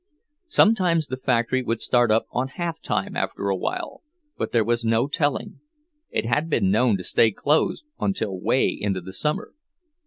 Sometimes the factory would start up on half time after a while, but there was no telling—it had been known to stay closed until way into the summer.